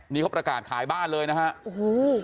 นี่เขาประกาศขายบ้านเลยนะฮะโอ้โห